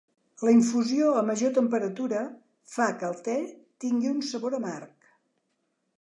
La infusió a major temperatura fa que el te tingui un sabor amarg.